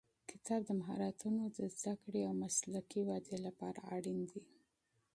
کتاب د مهارتونو د زده کړې او مسلکي ودې لپاره اړین دی.